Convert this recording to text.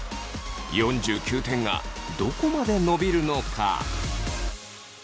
４９点がどこまで伸びるのか。